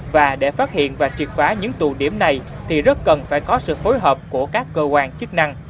và để phát hiện và triệt phá những tù điểm này thì rất cần phải có sự phối hợp của các cơ quan chức năng